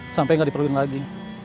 sampai gak diperlukan lagi